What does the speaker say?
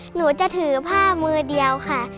หนูจะถือผ้ามือเดียวค่ะ